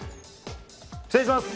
失礼します！